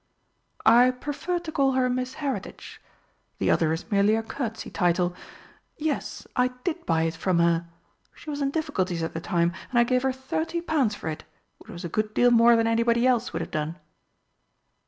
"I prefer to call her Miss Heritage the other is merely a courtesy title. Yes, I did buy it from her. She was in difficulties at the time, and I gave her thirty pounds for it, which was a good deal more than anybody else would have done."